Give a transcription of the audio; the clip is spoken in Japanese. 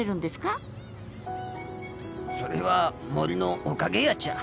それは森のおかげやちゃ。